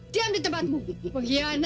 diam di tempatmu